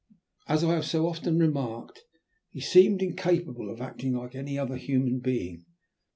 As I have so often remarked, he seemed incapable of acting like any other human being.